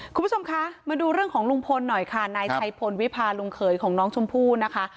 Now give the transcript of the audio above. คุณผู้ชมคะมาดูเรื่องของลุงพลหน่อยค่ะนายชัยพลวิพาลุงเขยของน้องชมพู่นะคะ